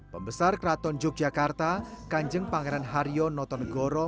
pembesar kraton yogyakarta kanjeng pangeran haryo noton goro